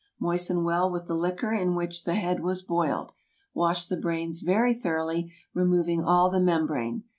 Moisten well with the liquor in which the head was boiled. Wash the brains very thoroughly, removing all the membrane.